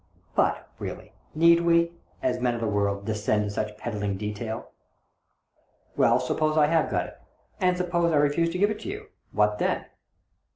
But, really, need we, as men of the world, descend to such peddling detail ?"" Well, suppose I have got it, and suppose I refuse to give it you. What then